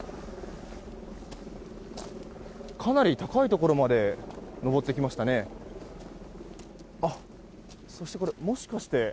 かなり高いところまで登ってきましたね。